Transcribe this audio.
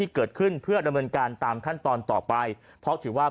เกิดขึ้นเพื่อดำเนินการตามขั้นตอนต่อไปเพราะถือว่า